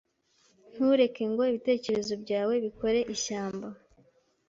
Ntureke ngo ibitekerezo byawe bikore ishyamba.